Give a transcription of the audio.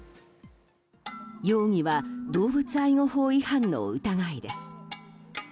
容疑は動物愛護法違反の疑いです。